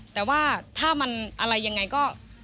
แต่ว่าถ้ามันอะไรยังไงก็